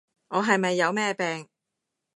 我係咪有咩病？